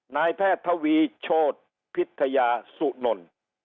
นายแพทย์ทวีโชธพิทยาสุนล